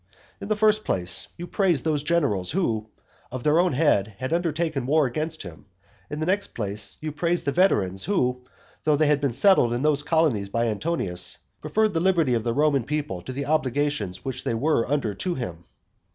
In the first place, you praised those generals who, of their own head, had undertaken war against him, in the next place, you praised the veterans who, though they had been settled in those colonies by Antonius, preferred the liberty of the Roman people to the obligations which they were under to him.